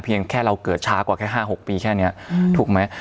แค่เราเกิดช้ากว่าแค่๕๖ปีแค่นี้ถูกไหม